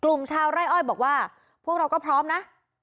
กลุ่มชาวไร่อ้อยบอกว่าพวกเราก็พร้อมนะ